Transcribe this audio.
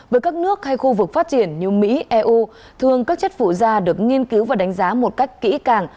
với các nước hay khu vực phát triển như mỹ eu thường các chất phụ da được nghiên cứu và đánh giá một cách kỹ càng